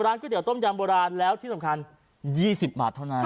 ก๋วเตีต้มยำโบราณแล้วที่สำคัญ๒๐บาทเท่านั้น